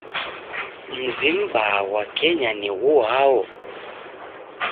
Mzi m'baa ghwa Kenya ni ghuao?